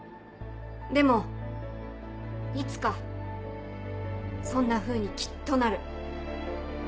でもいつかそんなふうにきっとなる。